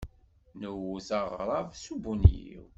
Nwet aɣrab s ubunyiw.